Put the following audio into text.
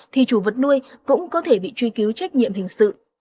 thì chủ vật nuôi cũng có thể bị truy cứu trách nhiệm hình sự